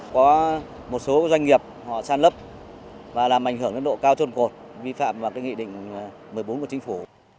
có một số doanh nghiệp họ san lấp và làm ảnh hưởng đến độ cao trôn cột vi phạm vào nghị định một mươi bốn của chính phủ